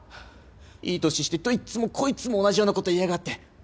いい年してどいつもこいつも同じようなこと言いやがって！